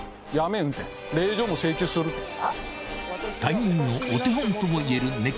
［隊員のお手本ともいえる］